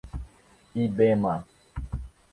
Ibema